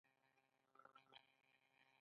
اوس غواړو چې دا موضوع نوره هم ساده کړو